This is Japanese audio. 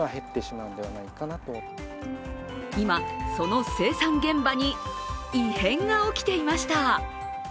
今、その生産現場に異変が起きていました。